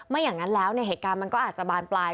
อย่างนั้นแล้วเนี่ยเหตุการณ์มันก็อาจจะบานปลาย